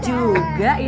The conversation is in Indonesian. oh iya jangan